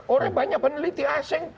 orang banyak peneliti asing